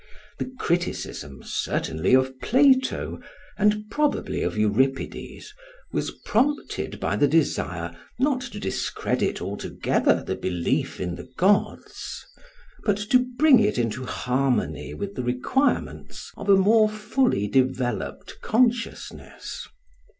The criticism certainly of Plato and probably of Euripides was prompted by the desire not to discredit altogether the belief in the gods, but to bring it into harmony with the requirements of a more fully developed consciousness.